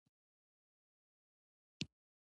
د واک بېلابېل جهتونه د پارلمان په تقویه کولو سره.